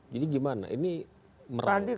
jadi gimana ini merangkak